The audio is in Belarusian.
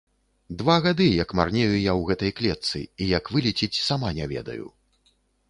Два гады, як марнею я ў гэтай клетцы, і як вылецець, сама не ведаю.